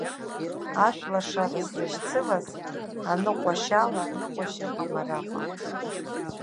Ашәлашара сзышьцылаз аныҟәашьала ныҟәашьа ыҟам араҟа.